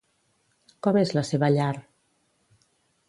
Com és la seva llar?